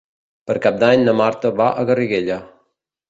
Per Cap d'Any na Marta va a Garriguella.